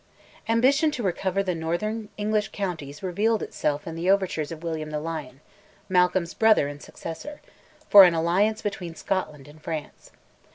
Ambition to recover the northern English counties revealed itself in the overtures of William the Lion, Malcolm's brother and successor, for an alliance between Scotland and France.